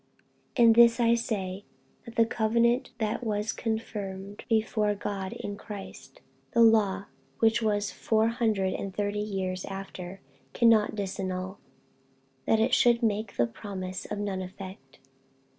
48:003:017 And this I say, that the covenant, that was confirmed before of God in Christ, the law, which was four hundred and thirty years after, cannot disannul, that it should make the promise of none effect.